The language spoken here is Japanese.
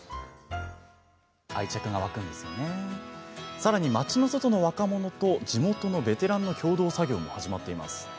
さらに町の外の若者と地元のベテランの共同作業も始まっています。